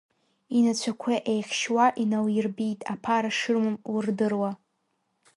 Инацәақәа еихьшьуа иналирбеит, аԥара шрымам лырдыруа.